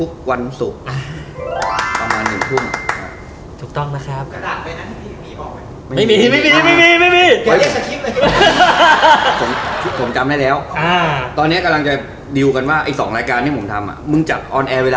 คือจริงก็มีเพื่อนมีอะไรแหละ